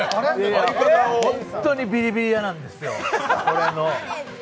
本当にビリビリ嫌なんですよ。